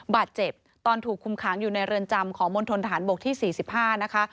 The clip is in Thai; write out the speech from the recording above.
บาดเจ็บตอนถูกคุมขังอยู่ในเรือนจำของมณฑนฐานบกที่๔๕นะคะ